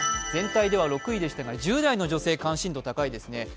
全体では６位でしたが、１０代の女性、関心度高いですね。